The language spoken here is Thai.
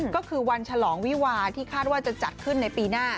ก็คือวันฉลองวิวาที่คาดว่าจะจัดขึ้นในปีหน้า